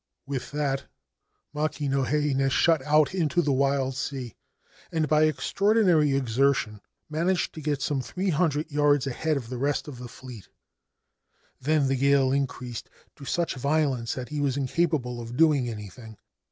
With that Makino Heinei shot out into the wild sea, and by extraordinary exertion managed to get some three hundred yards ahead of the rest of the fleet. Then the gale increased to such violence that he was incapable of doing anything.